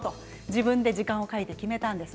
自分で時間を書いて決めたんです。